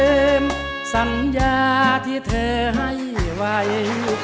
ลืมสัญญาที่เธอให้ไว้